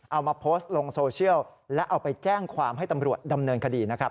เอามาโพสต์ลงโซเชียลและเอาไปแจ้งความให้ตำรวจดำเนินคดีนะครับ